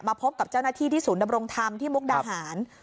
พบกับเจ้าหน้าที่ที่ศูนย์ดำรงธรรมที่มุกดาหาร